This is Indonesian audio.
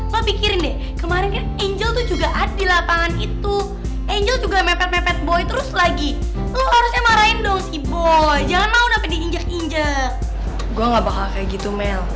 wah latihan aja kayak gitu